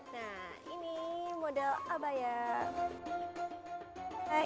nah ini model abaya